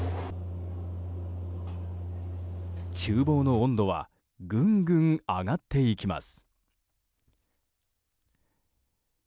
厨房の温度はぐんぐん上がっていきます。